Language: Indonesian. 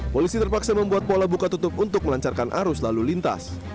polisi terpaksa membuat pola buka tutup untuk melancarkan arus lalu lintas